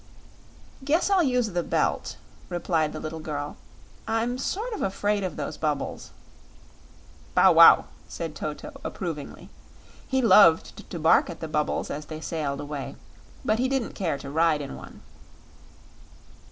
"Guess I'll use the Belt," replied the little girl. "I'm sort of 'fraid of those bubbles." "Bow wow!" said Toto, approvingly. He loved to bark at the bubbles as they sailed away, but he didn't care to ride in one.